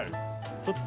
ちょっと。